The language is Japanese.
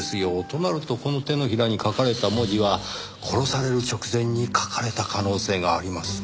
となるとこの手のひらに書かれた文字は殺される直前に書かれた可能性がありますねぇ。